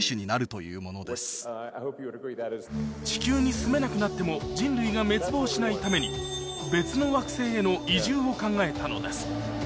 地球に住めなくなっても人類が滅亡しないためにを考えたのです